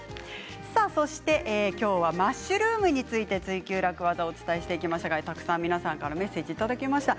そして今日はマッシュルームについて「ツイＱ楽ワザ」お伝えしてきました。たくさん皆さんからメッセージいただきました。